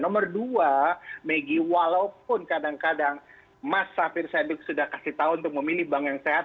nomor dua maggie walaupun kadang kadang mas safir syadik sudah kasih tahu untuk memilih bank yang sehat